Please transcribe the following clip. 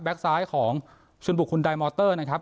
ซ้ายของชุนบุกคุณไดมอเตอร์นะครับ